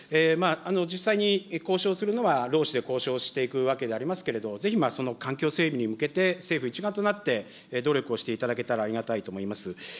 実際に交渉するのは労使で交渉していくわけでありますけれども、ぜひその環境整備に向けて、政府一丸となって努力をしていただけたらありがたいと思います。